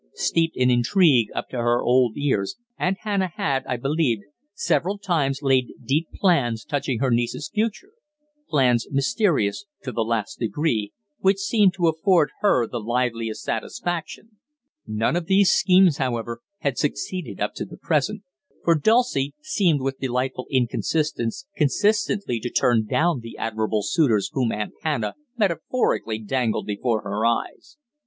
Steeped in intrigue up to her old ears, Aunt Hannah had, I believed, several times laid deep plans touching her niece's future plans mysterious to the last degree, which seemed to afford her the liveliest satisfaction. None of these schemes, however, had succeeded up to the present, for Dulcie seemed with delightful inconsistence consistently to "turn down" the admirable suitors whom Aunt Hannah metaphorically dangled before her eyes.